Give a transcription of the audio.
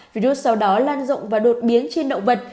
virus sau đó lan rộng và đột biến trên động vật